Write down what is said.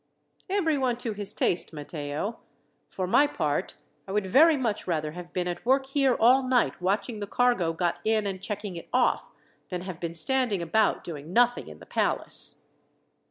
"Everyone to his taste, Matteo. For my part, I would very much rather have been at work here all night watching the cargo got in and checking it off, than have been standing about doing nothing in the palace."